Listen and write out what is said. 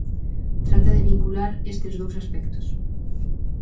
Trata de vincular estes dous aspectos.